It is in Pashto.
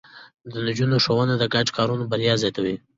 د نجونو ښوونه د ګډو کارونو بريا زياتوي.